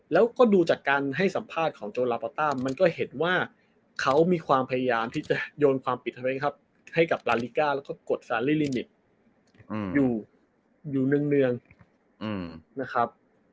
แล้วก็ดูจากการให้สัมภาษณ์ของโจรลาปาต้ามันก็เห็นว่าเขามีความพยายามที่จะโยนความปิดเทอร์เนคครับให้กับลาลิก้าแล้วก็กดซาลีลินิกอยู่เนื่องนะครับ